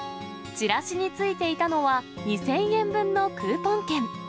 チラシに付いていたのは、２０００円分のクーポン券。